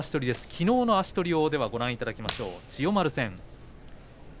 きのうの足取りをご覧いただきます、千代丸戦。